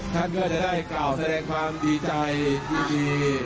ท่านก็จะได้กล่าวแสดงความดีใจที่ดี